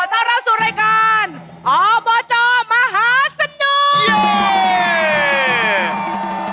ต้อนรับสู่รายการอบจมหาสนุก